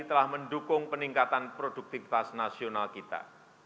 telah mendukung peningkatan produktivitas nasional kita